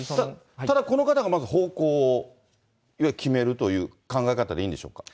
ただこの方が方向を決めるという考え方でいいんでしょうか。